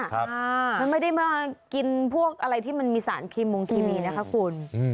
มันไม่ได้มากินพวกอะไรที่มันมีสารคีมงเคมีนะคะคุณ